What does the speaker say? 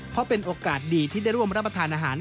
เพราะเป็นโอกาสดีที่ได้ร่วมรับประทานอาหาร